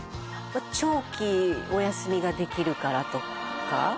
長期お休みができるからとか？